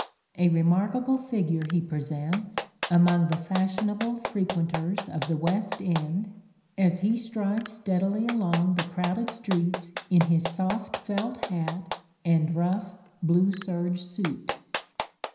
A remarkable figure he presents, among the fashionable frequenters of the West End, as he strides steadily along the crowded streets in his soft felt hat and rough blue serge suit.